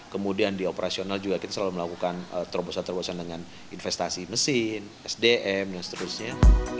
kemudian di operasional juga kita selalu melakukan terobosan terobosan dengan investasi mesin sdm dan seterusnya